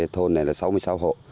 thôn này là sáu mươi sáu hộ